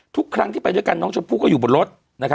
ทุกครั้งที่ไปด้วยกันน้องชมพู่ก็อยู่บนรถ